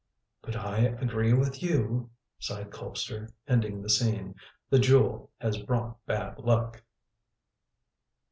"But I agree with you," sighed Colpster, ending the scene; "the jewel has brought bad luck."